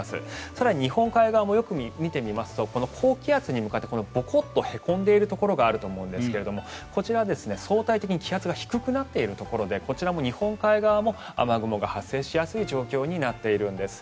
更に日本海側もよく見てみますとこの高気圧に向かってボコッとへこんでいるところがあると思うんですがこちら、相対的に気圧が低くなっているところでこちらも日本海側も雨雲が発生しやすい状況になっているんです。